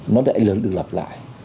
nó lại lớn được lặp lại